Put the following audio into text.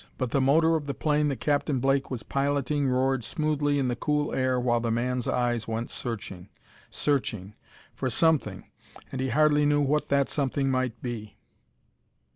But the motor of the plane that Captain Blake was piloting roared smoothly in the cool air while the man's eyes went searching, searching, for something, and he hardly knew what that something might be.